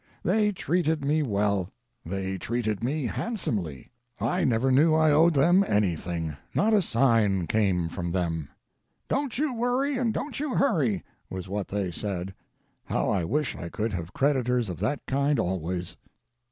They treated me well; they treated me handsomely. I never knew I owed them anything; not a sign came from them. "Don't you worry and don't you hurry," was what they said. How I wish I could have creditors of that kind always!